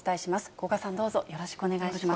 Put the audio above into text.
古賀さん、どうぞよろしくお願いします。